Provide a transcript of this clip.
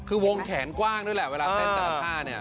คือวงแขนกว้างด้วยแหละเวลาเต้นแต่ละท่าเนี่ย